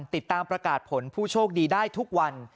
ติดตามประกาศผลผู้โชคดีได้ทุกวัน